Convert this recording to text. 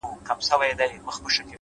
له نورو زده کړه حکمت دی؛